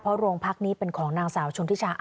เพราะโรงพักนี้เป็นของนางสาวชนทิชา